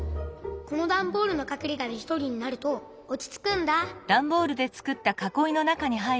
このだんボールのかくれがでひとりになるとおちつくんだ。